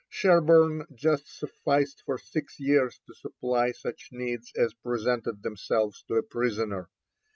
Sherborne just sufficed for six years to supply such needs as presented themselves to a prisoner.